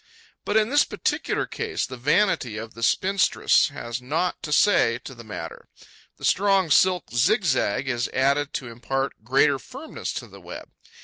But, in this particular case, the vanity of the spinstress has naught to say to the matter: the strong silk zigzag is added to impart greater firmness to the web.